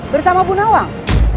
bersama bu nawang